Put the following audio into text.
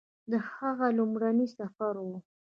د هغه لومړنی سفر و